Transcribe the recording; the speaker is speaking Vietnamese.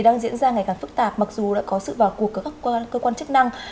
đang diễn ra ngày càng phức tạp mặc dù đã có sự vào cuộc của các cơ quan chức năng